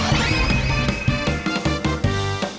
โปรดติดตามตอนต่อไป